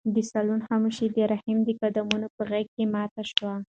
د صالون خاموشي د رحیم د قدمونو په غږ ماته شوه.